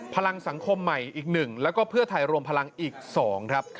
พลังสังคมใหม่อีก๑แล้วก็เพื่อไทยรวมพลังอีก๒ครับ